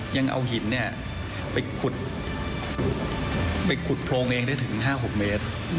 ยังเอาหินไปขุดไปขุดโพรงเองได้ถึง๕๖เมตร